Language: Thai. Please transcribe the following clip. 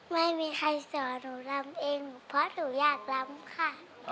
ไม่มีใครสอนหนูรำเองเพราะหนูอยากรำค่ะ